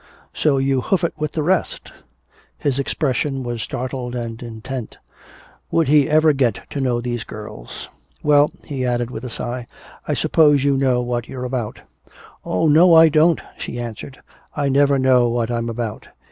"So you hoof it with the rest!" His expression was startled and intent. Would he ever get to know these girls? "Well," he added with a sigh, "I suppose you know what you're about." "Oh no, I don't," she answered. "I never know what I'm about.